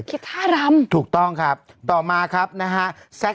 ท่ารำถูกต้องครับต่อมาครับนะฮะ